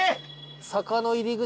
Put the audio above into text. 坂の入り口か。